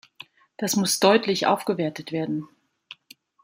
Das muss deutlich aufgewertet werden.